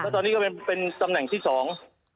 ตอนนี้ก็เป็นเป็นตำแหน่งที่สอง